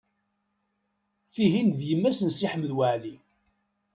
Tihin d yemma-s n Si Ḥmed Waɛli.